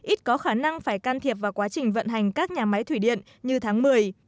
ít có khả năng phải can thiệp vào quá trình vận hành các nhà máy thủy điện như tháng một mươi